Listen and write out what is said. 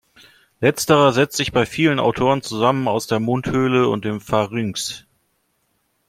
Letzterer setzt sich bei vielen Autoren zusammen aus der Mundhöhle und dem Pharynx.